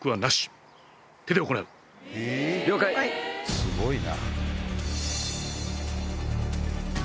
すごいな。